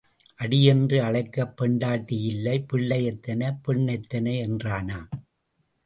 அடி என்று அழைக்கப் பெண்டாட்டி இல்லை பிள்ளை எத்தனை, பெண் எத்தனை என்றானாம்.